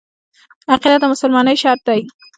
عقیده د مسلمانۍ شرط دی.